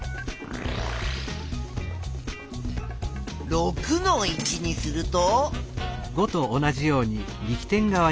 ６の位置にすると？